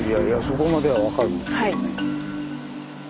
そこまでは分かるんですけどね。